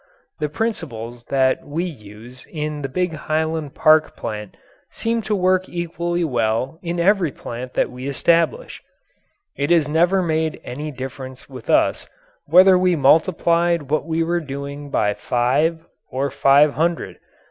The principles that we use in the big Highland Park plant seem to work equally well in every plant that we establish. It has never made any difference with us whether we multiplied what we were doing by five or five hundred.